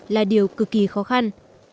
là điều cực kỳ khó khăn